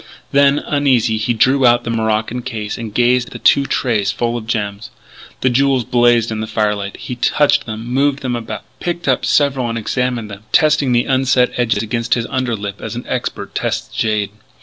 Then, uneasy, he drew out the morocco case and gazed at the two trays full of gems. The jewels blazed in the firelight. He touched them, moved them about, picked up several and examined them, testing the unset edges against his under lip as an expert tests jade.